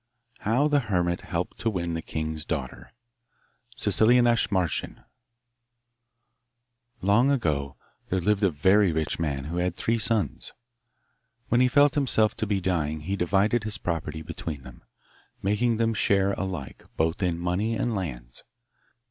How the Hermit Helped to Win the King's Daughter Sicilianische Mahrchen Long ago there lived a very rich man who had three sons. When he felt himself to be dying he divided his property between them, making them share alike, both in money and lands.